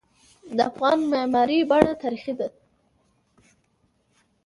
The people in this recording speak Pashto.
د افغان معماری بڼه تاریخي ده.